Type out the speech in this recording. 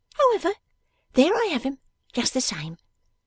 However, there I have 'em, just the same.